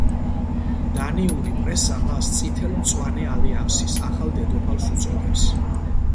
დანიური პრესა მას „წითელ-მწვანე ალიანსის ახალ დედოფალს“ უწოდებს.